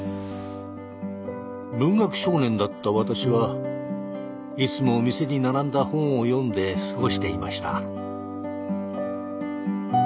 文学少年だった私はいつも店に並んだ本を読んで過ごしていました。